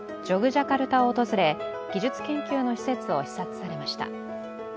ジャカルタを訪れ技術研究の施設を視察されました。